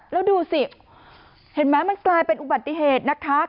แล้วดูสิเห็นไหมมันกลายเป็นอุบัติเหตุนะคะ